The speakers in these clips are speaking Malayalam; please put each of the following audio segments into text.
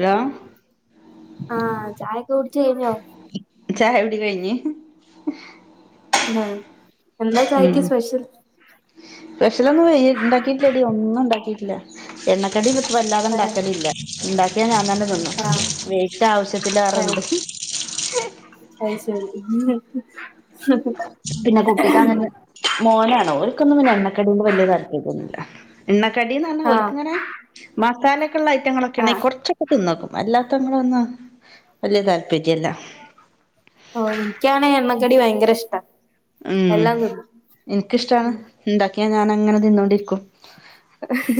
ഹലോ ആ ചായൊക്കെ കുടിച്ച് കെഴിഞ്ഞോ [unintelligible] കുട്ച്ച് കഴിഞ്ഞ് ആ മ് സ്പെഷ്യലൊന്നും വെയ്യ ഇണ്ടാക്കിട്ടില്ലടി ഒന്നും ഇണ്ടാക്കി ല്ല എണ്ണക്കടിന്നും ഇപ്പം വല്ലാതെ ആഹ് ഇണ്ടാക്കാലില്ല ഇണ്ടാക്കിയാ ഞാൻ തന്നെ തി ന്നും ആഹ് വെയിറ്റ് ആവിശ്യത്തിലേറെണ്ട് ആഹ് ശെരി [unintelligible] പിന്നെ കുട്ടിക്ക് അങ്ങനെ മോനാണ് ഓൽക്കൊന്നും പിന്നെ എണ്ണ കടിയോട് വല്ല്യ താൽപര്യല്ല. [unintelligible] എണ്ണ കടീന്ന്റഞ്ഞാ ഓൽക്ക്‌ ആഹ് ഇങ്ങനെ മസാലക്കള്ള ഐറ്റങ്ങളൊക്കെണേൽ ആഹ് കൊറച്ചൊക്കെ തിന്നോക്കും [unintelligible] ല്ലാത്ത [unintelligible] ളൊന്നും വല്ല്യ താല്പര്യല്ല ഓ എനിക്കാണേ എണ്ണക്കടി വയങ്കര ഇഷ്ടാ എല്ലാം തിന്നും മ് ഇൻക്കിഷ്ടാണ് ഇണ്ടാക്കിയാ ഞാനങ്ങനെ തിന്നോണ്ടിരിക്കും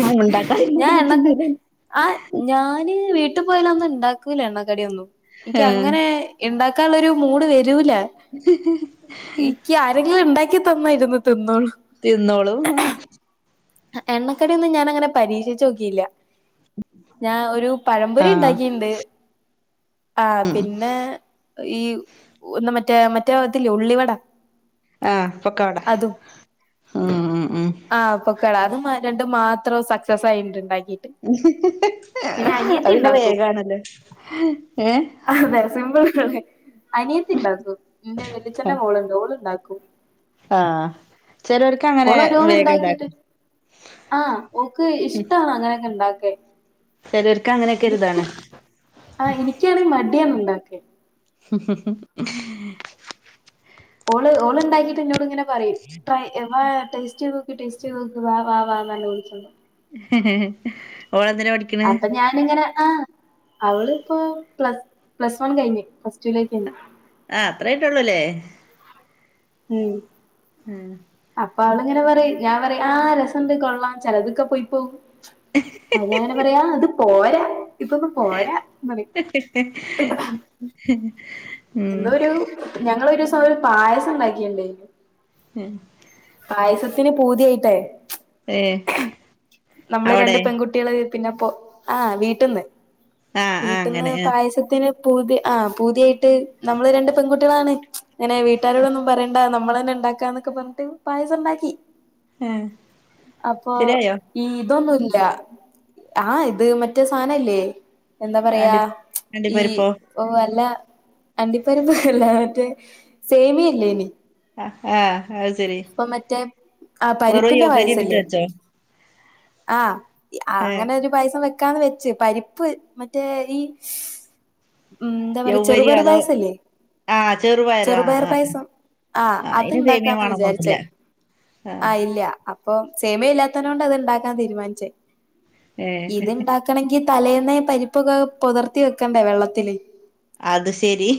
ആ ഉണ്ടാക്കാതിരുന്നാ ഞാ പിന്നെ എണ്ണക്ക തിന്നൂല [unintelligible] ആ ഞാന് വീട്ട് പോയാലൊന്നും ഇണ്ടാക്കൂല്ല എണ്ണക്കടിയൊന്നും ഏഹ് ഇക്കങ്ങനെ ഇണ്ടാക്കളെളാരു മൂഡ് വെരുല്ല നിക്ക് ആരെങ്കിലും ഉണ്ടാക്കി തന്നായിരുന്നു തിന്നോളൂ തിന്നോളൂ എണ്ണക്കടിയൊന്നും ഞാനങ്ങനെ പരീക്ഷിച്ചോക്കീല്ല ഞാ ഒരു ആഹ് പഴമ്പൊരിണ്ടാക്കിണ്ട് ആ പിന്നെ ഈ ന്നാ മറ്റേ മറ്റേ ഇതില്ലേ ഉള്ളിവടാ ആഹ പൊക്കവട മ് മ് മ് ആഹ് പൊക്കട അത് മ രണ്ടും മാത്രം സക്സസ് ആയിട്ട്ണ്ടാക്കി അത് പിന്നെ ഇണ്ടാക്കും വേഗാണല്ലോ ഏഹ് അതെ സിമ്പിളാണ് അനിയത്തി ണ്ടാക്കും എന്റെ വല്യച്ഛന്റെ മോള്ണ്ട് ഓള്ണ്ടാക്കും. ആ ചെലോര്ക്കങ്ങനെ വേഗണ്ടാക്കും ആ ഓക്ക് ഇഷ്ടാണങ്ങനെക്കെ ഇണ്ടാക്കാൻ ചെലോര്ക്ക് അങ്ങനെക്കെരിതാണ്. ആ എനിക്കണേ മടിയാണ് ഉണ്ടാക്കാൻ ഓള് ഓള് ണ്ടാക്കിട്ട് ഇന്നോട്ങ്ങനെ പറിയും ട്രൈ വാ ടേസ്റ്റയിതോക്ക് ടേസ്റ്റ്യ്തോക്ക് വാ വാ വന്നറഞ്ഞ് വിളിച്ചൊണ്ടോവും [unintelligible] പഠിക്കണ് അപ്പൊ ഞാനിങ്ങനെ ആ അവളിപ്പോ പ്ല പ്ലസ് വൺ കഴിഞ്ഞു പ്ല ആ അത്രയായിട്ടുള്ളല്ലേ ഉം ഉം അപ്പൊ അവളിങ്ങനെ പറയും ഞാൻ പറയും ആ രസണ്ട് കൊള്ളാം ചിലതൊക്കെ പോയി പോകും അഞാങ്ങനെ പറയാ അത് പോരാ ഇതൊന്നും പോരാ എന്ന് പറയും [unintelligible] എന്തോ ഒരു ഞങ്ങ ഒരുസം ഒരു പായസം ഉണ്ടാക്കിണ്ട മം പായസത്തിന് പൂതിയായിട്ടേ ഏ നമ്മള് രണ്ട് പെൺകുട്ടികള് പിന്നെപ്പോ ആ വീട്ട് ന്ന് ആഹ് ആഹ് വീട്ടിൽന്ന് അങ്ങനെ ആഹ് പായസത്തിന് ആ പൂതിയായിട്ട് നമ്മള് രണ്ട് പെൺകുട്ടികളാണ് അങ്ങനെ വീട്ടാരോടന്നും പറയണ്ട നമ്മള ഉണ്ടാക്കാ എന്നൊക്കെ പറഞ്ഞിട്ട് പായസം ഉണ്ടാക്കി എ അപ്പൊ ശരിയായോ ഈ ഇതൊന്നുല്ല ആ ഇത് മറ്റേ സാധനല്ലേ എന്താ പറയാ അണ്ടി ഈ അണ്ടിപ്പരിപ്പോ വല്ല അണ്ടിപ്പരുപല്ല മറ്റേ സേമി ഇല്ലേനി ആ ആ അപ്പ മറ്റേ ആ വെറും പരിപ്പിന്റെ യൗവ്വരി ഇട്ടിട്ട് പായസല്ലേ വെച്ചോ ആ ഏഹ് അങ്ങനെ ഒരു പായസം വെ ക്കാന്ന് വെച്ച് പരിപ്പ് മറ്റേ ഈ മം എന്താ പറയാ യൗവ്വരിയോ ചെറുപെറു അതോ പായസ്സല്ലേ ആഹ് ചെറുപയറ് ആഹ് ചെറുപയർ ആഹ് പായസം ആ ആഹ് അയിന് സേമിയ അത്ണ്ടാക്കാം വേണന്നൊന്നുല്ല വിചാരിച്ചേ ആഹ് ആ ഇല്ല അപ്പൊ സേമയില്ലാത്തന കൊണ്ട് അത്ണ്ടാക്കാന്ന് തീരുമാനിച്ചേ ഏഹ് ഇത്ണ്ടാക്കണങ്കി തലേന്ന പരിപ്പൊക്കെ പോതിർത്തി വെക്കണ്ടേ വെള്ളത്തില് അത് ശരി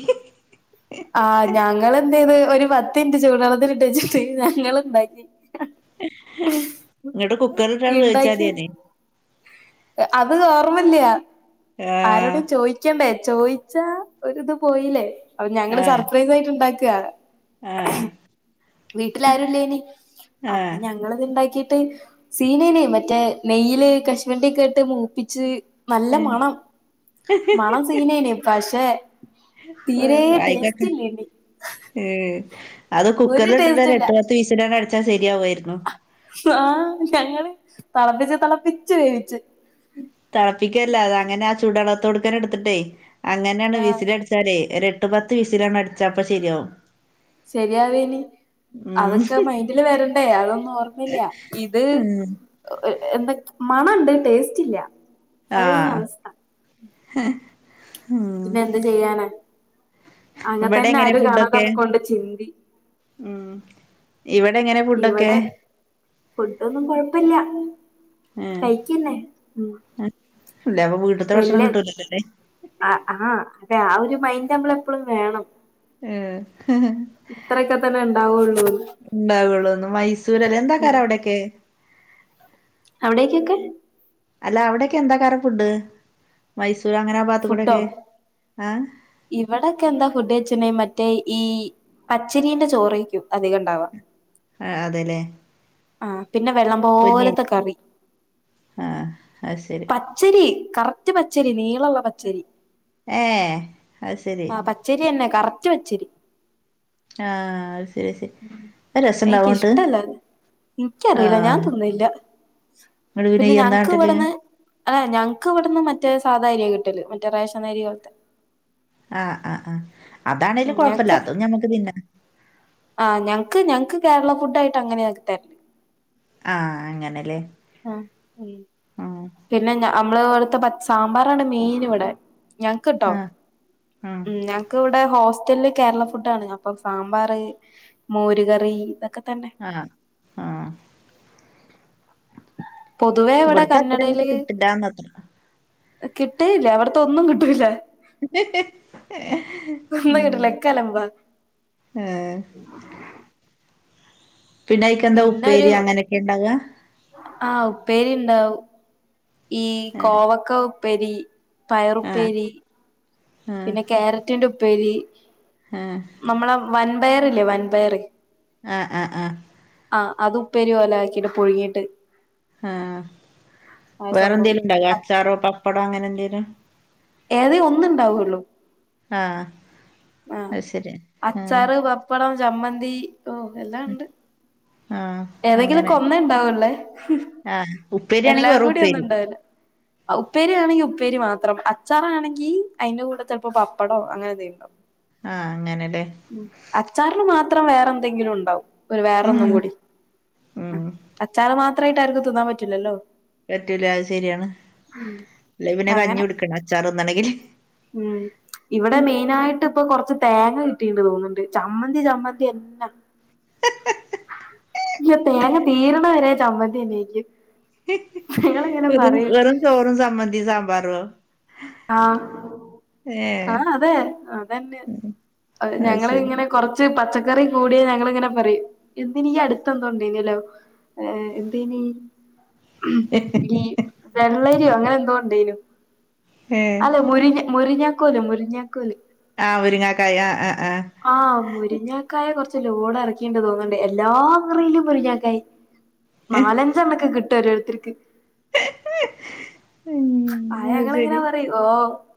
ആ ഞങ്ങൾ എന്ത ചെയത് ഒരു പത്ത് മിനിറ്റ് ചൂടുള്ളത്തില് ട്ടച്ചിട്ട് ഞങ്ങള് ണ്ടാക്കി ഇങ്ങട്ട് കുക്കറിട്ടാണ് ഇണ്ടാക്കി വേഴിച്ചാതിനെ അത് ഓർമ്മല്ല ആഹ് ആരോടേം ചോയിക്കണ്ടേ ചോയിച്ചാ ഒരിത് പോയില്ലേ അപ്പൊ ഞങ്ങള് ആഹ് സർപ്രൈസ ആയിട്ട് ണ്ടാക്ക ആഹ് വീട്ടില ആരുല്ലേനി അപ്പൊ ആഹ് ഞങ്ങളത് ഇണ്ടാക്കിട്ട് സീനനെ മറ്റേ നെയയില് കശ്മണ്ടിക്കെ ഇട്ട് മൂപ്പിച്ച് നല്ല മണം മണം സീനേന്നെ പശെ തീരെ ഏഹ് അയിക്കൊക്കെ ടേസ്റ്റ്ല്ലനി അത് കുക്കറൽട്ടിട്ട് ഇല്ല എട്ട് പത്ത് വിസിലണ്ട് അടിച്ചാ സരിയാവായിരുന്നു ആ ഞങ്ങള് തളപ്പിച് തളപ്പിച് വേവിച്ച് തിളപ്പിക്കല്ല അത് അങ്ങനെ ആ ചൂടുള്ളത്തോടക്കനെ എടുത്തിട്ടേ അങ്ങനെണ് ആ വിസില് അടിച്ചാലേ എട്ടു പത്ത് വിസിലണ് അടിച്ചപ്പോ ശരിയാവും ശരിയാതേനി അതൊക്കെ ഉം മൈന്ഡില് വരണ്ടേ അതൊന്ന ഓർമ്മില്ല ഇത് ഉം എന്താ മണുണ്ട് ടേസ്റ്റ് ഇല്ല ആ അതേനി അവസ്ഥ പിന്നെ എന്ത് ചെയ്യാന ഇവിടെ എങ്ങനെ ഫുഡൊക്കെ കൊണ്ട് ചിന്തി മം ഇവി എടെ എങ്ങനെ ഫുഡൊക്കെ ഇവിടെ ഫുഡൊന്നും കൊഴപ്പില്ല ഏഹ് കഴിക്കന്നെ മം ഇല്ല അപ്പൊ വീട്ട്ത്തെ വല്ല ഭക്ഷണം കിട്ടൂലല്ലോല്ലേ ആ ആ അപ്പെ ആ ഒരു മിന്റ് നമ്മള എപ്പളും വേണം ഇത്രയൊക്കെ തന്നെ ഉണ്ടാവുള്ളൂ [unintelligible] ഉണ്ടാവുള്ളുന്ന് മൈസൂരല്ലേ എന്താക്കാര അവിടെക്കെ എവിടേക്കൊക്കെ അല്ല അവിടെക്കെ എന്താ ക്കാരം ഫുഡ് മൈ ഫുഡോ ഇവിടെക്കെ എന്താ ഫുഡ് വച്ച മറ്റേ ഈ പച്ചരിന്റെ ചോറായിരിക്കും അധികം ഉണ്ടാവുക. ആഹ് അതെല്ലേ ആ പിന്നെ വെള്ളം പൊന്നേരി പോലത്തെ കറി. ആഹ് അത് ശരി പച്ചരി കറക്റ്റ് പച്ചരി നീളമുള്ള പച്ചരി. ഏഹ് അത് ശരി ആ പച്ചരി തന്നെ കറക്റ്റ് പച്ചരി ആ ശരി ശരി രസവുണ്ടാവോങ്ങോട്ട്? എനിക്കിഷ്ടല്ല അത് എനിക്കറിയില്ല ഞാൻ തിന്നല്ല. ഇങ്ങട്ട് പിന്നെ ഇയ്യ് എന്നാ ഞങ്ങക്ക് കാട്ടല് ഇവിടുന്ന് ഏ ഞങ്ങക്ക് ഇവിടുന്ന് മറ്റേ സാധാ അരിയാ കി മറ്റേ റേഷനരി പോലത്തെ ആ ആ ആ അതാണേലും ഉം കുഴപ്പില്ല. ഞങ്ങക്ക് അതും ഞമ്മക്ക് തിന്ന ആ ഞങ്ങക്ക് ഞങ്ങക്ക് കേരള ഫുഡ് ആയിട്ട് അങ്ങനെയ ആക്കി തരേ ആ. അങ്ങനെല്ലേ? ആ ഉം. ആഹ് പിന്നെ നമ്മളവിടുത്തെസാമ്പാറാണ് മെയിൻ ഇവിടെ. ഞങ്ങക്ക് കിട്ടോ ആഹ് ആഹ് ഉം ഞങ്ങക് ഇവിടെ ഹോ മറ്റല് കേരള ഫുഡാണ് അപ്പം സാമ്പാറ്, മോരുകറി, ഇതൊക്കെ തന്നെ ആ ആ പൊതുവേ ഇവിടെ ഇവിടുത്തെ അത്ര കന്നഡയില് അങ്ങട്ട് കിട്ടില്ലാന്നത്ര കിട്ടു കേ ഇല്ല അവിടത്തൊന്നുകിട്ടല്ല. [inaudible] ഒന്നും ഉം. കിട്ടില്ല ഒക്കെ അലമ്പാ ആ പിന്നെ നിനക്കെന്താ പിന്നെ ഒരു ഉപ്പേരി അങ്ങനൊക്കെ ഉണ്ടാകുക. ആ ഉപ്പേരി ഉണ്ടാവും ഈ കോവക്ക ഉപ്പേരി. ആഹ് പയറുപ്പേരി, ആഹ് പിന്നെ ക്യാരറ്റ് ഉപ്പേരി ആഹ് നമ്മടെ വൻപയറില്ലേ വൻപയർ ആ ആ ആ ആ അത് ഉപ്പേരിപോലെ ആക്കിട്ട് പുഴുങ്ങിയിട്ട് ആ ആ ഒരു സംഭവം വേറെന്തെേലും ഉണ്ടോ? അച്ചാറോ പപ്പടോ അങ്ങനെ എന്തേലും? ഏതേഒന്നുണ്ടാവുള്ളു. ആ ആ അച്ചാറ്, പപ്പടം, ചമ്മന്തി, ഓ എല്ലാം ഉണ്ട്. ആഹ് ഏതെങ്കിലുംഒക്കെ അങ്ങനെ ഒന്നേ ഉണ്ടാവുള്ള. ആഹ് ഉപ്പേരി ആണെങ്കി എല്ലാം വെറും കൂടി ഒന്നും ഉപ്പേരി ഉണ്ടാവില്ല. ഉപ്പേരിയാണെങ്കി ഉപ്പേരി മാത്രം. അച്ചാറാണെങ്കി അതിന്റെ കൂടെ ചിലപ്പോ പപ്പടവോ അങ്ങനെഎന്തെങ്കിലും ഉണ്ടാവും. ആഹ് അങ്ങനെല്ലേ അച്ചാറിനു മാത്ര ത്രം വേറെ എന്തെങ്കിലും ഉണ്ടാവും. ഒരു വേറെ ഉം ഒന്നും കൂടി ഉം അച്ചാൽ മാത്ര ആയിട്ട് ആർക്കും തിന്നാൻ പറ്റില്ലല്ലോ? പറ്റൂല അത് ശരിയാണ്. അല്ല അപ്പ പിന്നെ കഞ്ഞി അങ്ങനെ കുടിക്കണം അച്ചാറു തിന്നണെങ്കില്. ഉം. ഇവിടെ മെയിനായിട്ട് ഇപ്പൊ കുറച്ച് തേങ്ങ കിട്ടീണ്ട് തോന്നുന്നുണ്ട്. ചമ്മന്തി ചമ്മന്തി എല്ലാ തേങ്ങ തീരുന്ന വരെ ചമ്മന്തിന്നേക്ക്. വെറു വെറും ചോറും ചമ്മന്തിയും സാമ്പാറുവോ? ആ ആ അതെ അതന്നെ അത് ഞങ്ങള് ശരി ഇങ്ങനെ കൊറച്ച് പച്ചക്കറി കൂടിയ ഞങ്ങളിങ്ങനെ പറയും എന്തിന് അടുത്ത് എന്തോങ്കിലും ഏഎന്തിന്? ഈ വെള്ളരിയോ അങ്ങനെ എന്തോ ഉണ്ടേനു. ഏ അല്ലെ മുരി മുരിഞ്ഞാകോല് മുരിഞ്ഞാ കോല്. ആ മുരിങ്ങാക്കായ ആ ആ ആ ആ മുരിങ്ങാക്കായെ കുറച്ച് ലോഡ് ഇറക്കിന്ന് തോന്നണ്ട് എല്ലാ മറയിലും മുരിങ്ങക്കായ. നാലഞ്ചെണ്ണക്കഒക്കെ കിട്ടും ഓരോരുത്തർക്ക്. ഉം ആ അത് ശരി ഞങ്ങളെങ്ങനാ പറയും ഓ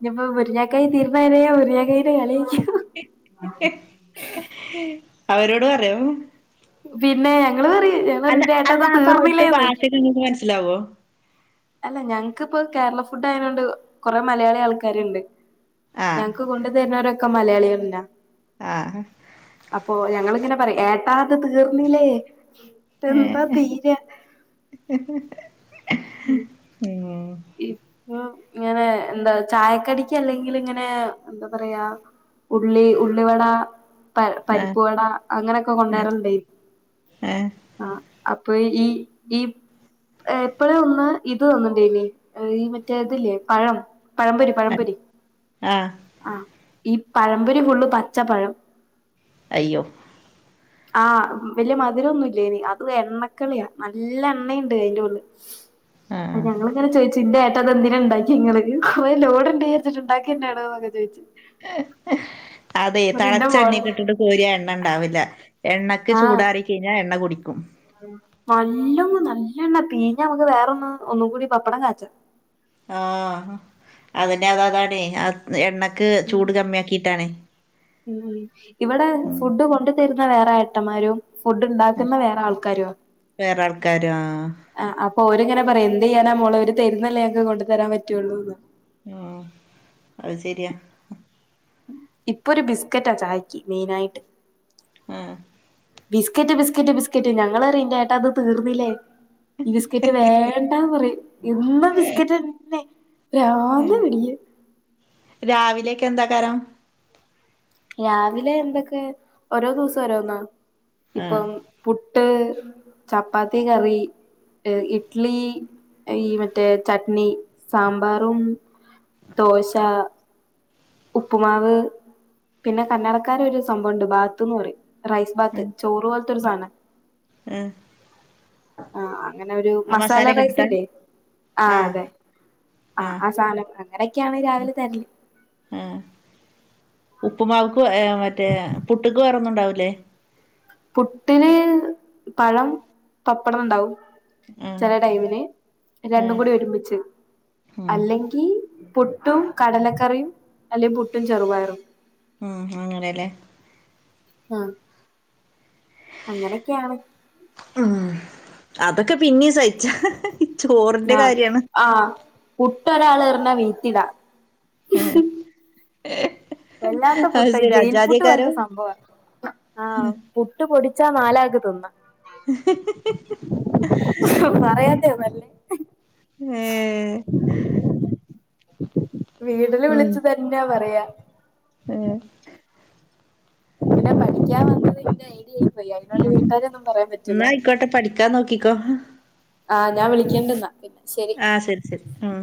ഇനിപ്പോ മുരിങ്ങക്കായ് തീരുന്നവരെ മുരിങ്ങക്കാന്റെ കളി അവരോട് പറയോ? പിന്നെ. ഞങ്ങള് പറയും ഞങ്ങള് അല്ല നിന്റെ ഏട്ടാ അല്ല ഇത് അപ്പൊ അവിടുത്തെ തീർന്നില്ലേന്ന് ചോയിക്കും ബാശൊക്കെ ങ്ങക്ക് മനസ്സിലാവോ? അല്ല ഞങ്ങക്ക്പ്പോ കേരള ഫുഡ് ആയതൊണ്ട് കൊറെ മലയാളി ആൾക്കാരുണ്ട്. ആ ഞങ്ങക്ക് കൊണ്ടു തരുന്നരൊക്കെ മലയാളികന്നാ ആ അപ്പൊ ഞങ്ങിങ്ങനെ പറി ഏട്ടാത് തീർന്നില്ലേ ഏ എന്താ തീരാ. ഉം. ഇപ്പൊ ഇങ്ങനെ എന്താ ചായക്കടിക്ക് അല്ലെങ്കിൽ ഇങ്ങനെ എന്താ പറയാ? ഉള്ളി ഉള്ളിവട. പ ആ ആ പരിപ്പുവട അങ്ങനോക്കെ കൊണ്ടേറുണ്ടായി ആ ആ ആഹ്. അപ്പൊയി ഈ ഈ എപ്പഴ ഒന്ന് ഇത് തന്ന്ണ്ടേനി. ഈ മറ്റേ ഇതില്ലേ പഴം പഴംപൊരി പഴപൊരി. ആ ആ ഈ പഴമ്പൊരി ഫുള്ള് പച്ചപ്പഴം. അയ്യോ. ആഹ് വല്യ മധുരൊന്നും ഇല്ല്യേനി അത് എണ്ണക്കളിയാ നല്ല എണ്ണിണ്ട് അയിന്റെ ഉള്ളി ആ അഹ് ഞങ്ങളിങ്ങനെ ചോയ്ച്ച് ഇ ട്ടതെന്തിന ഇണ്ടാക്കി ങ്ങള് [unintelligible] ലോഡ്ണ്ടേര് [unintelligible] ചോയ്ച്. ഹ് ഹ് അതെ ഇന്റെ തെളച്ച മോൾ എണ്ണേക്ക്ട്ട്ട്ട് കോരിയ എണ്ണ ഇണ്ടാവില്ല. എണ്ണയ്ക്ക് ചൂടാറി കൈഞ്ഞാ എണ്ണ കുടിക്കും. നല്ലൊ നല്ലണ്ണ പീഞ്ഞ മുക്ക് വേറൊന്ന് ഒന്നു കൂടി പപ്പടം കാച്ച. ആഹ് അതിന്റെ അത അതാണെ ആ എണ്ണ ഉം ഉം ഇവിടെ ഉം ഫുഡ് കൊണ്ട് തരു വേറെ ഏട്ടന്മാരോ ഫുഡ് ഉം ഉണ്ടാക്കുന്ന വേറെ ആൾക്കാരുഅ വേറെ ആൾക്കാര് ആഹ് അ അപ് ഓരിങ്ങനെ പറയും എന്ത് യ്യാനാ മോളെ ഒര് തരുന്നല്ലേ ഞക്ക് കൊണ്ടു തരാൻ പറ്റുവള്ളൂന്ന്. ആ അഹ് സെര്യാ. ഇപ്പൊ ഒരു ബിസ്കറ്റാ ചായക്ക്യ് മെയിനായിട്ട്. ആഹ് ബിസ്ക്കറ്റ് ബിസ്ക്കറ്റ് ബിസ്കറ്റ് ഞങ്ങളറിയും എന്റേട്ടാത് തീർന്നില്ലേ? ഈ ബിസ്കറ്റ് വേണ്ടാ... പറയും എന്നു ബിസ്കറ്റന്നെ. ഉം [unintelligible] ന്തേകാരം. രാവിലെ എന്തൊക്കെ ഓരോ ദിവസൊ ഓരോന്നോ ആഹ് ഇപ്പം പു ട്ട് ചപ്പാത്തി കറി. ഹ് ഇഡ്ലി ഈ മറ്റേ ചട്നി സാമ്പാറും. ദോശ. ഉപ്പുമാവ് പിന്നെ കന്നടക്കാര ഒരു സംഭവുണ്ട് ബാത്ത്ന്ന് പറയും. റൈസ് ബാത്ത് ഉം ചോറു പോൽത്തൊരു സാന. ഉം ആ അങ്ങനെ ഒരു ആ മസാല മസാലയൊക്കെ ഇട്ടിട്ടാ റൈസ്ല്ലേ ആ ആഹ് അതെ. ആഹ് ആ സാധം അങ്ങനൊക്കെയാണ് രാവിലെ തരല്. ആഹ് ഉപ്പുമാവ്ക്ക് ഏ മറ്റേ പുട്ട്ക്ക്. ഒന്നുണ്ടാവൂല്ലേ? പുട്ടിന് പഴം പപ്പടംണ്ടാവും. ആഹ് ചെല ടൈമിന് രണ്ടും ആഹ് കൂടി ഒരുമിച്ച് ഉം അല്ലെങ്കി. പുട്ടും കടലക്കറിയും അല്ലെ പുട്ടും ചെറുപയറും. ഉം അങ്ങനെലെ. ആഹ് അങ്ങനൊക്കെയാണ്. ഉം അതൊക്കെ പിന്നിം സഹിക്ക ഹ് ഹ് ഹ് ചോറിന്റെ കാര്യാണ്. വിടെ ഒരാൾ ഏർഞ്ഞ വീയ്ത്തിടാ. ഏ ഹ്. വല്ലാത്ത പുട്ട് ജയിൽ പുട്ട് പോലത്തെ സംഭവാ ആഹ് പുട്ട് പൊടി ച്ചാ നാലാക്ക് തിന്നാ ഹ് പറയാ [inaudible] ഏഹ് വീടില് ഉം വിളിച്ചു തന്നെ പറയാ ഏഹ് നെ പഠിക്കാൻ വന്നത് ഇന്റെ ഐഡിയര്ന്ന് ഉം ഇന്നഅയിക്കോട്ടെ പഠിക്കാ നോക്കിക്കോ ആ ഞാൻ വിളിക്കേണ്ട്ന്നാ പിന്നെ അ ശരി ശരി ഉം